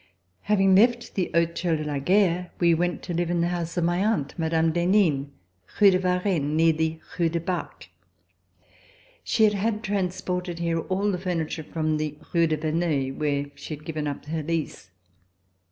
Having left the Hotel de la Guerre, we went to live in the house of my aunt, Mme. d'Henin, Rue de Varenne, near the Rue du Bac. She had had trans ported here all the furniture from the Rue de Ver neuil, where she had given up her lease.